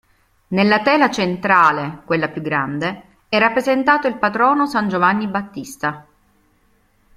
Nella tela centrale, quella più grande, è rappresentato il patrono San Giovanni Battista.